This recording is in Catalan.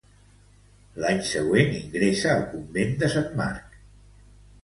L'any següent, ingressa al convent de Sant Marc.